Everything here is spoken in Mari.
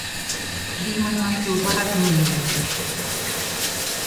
Вий манмаште утларак неле ыльым.